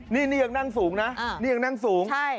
นี่ยังนั่งสูงนะนี่ยังนั่งสูง